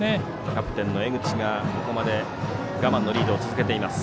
キャプテンの江口がここまで我慢のリードを続けています。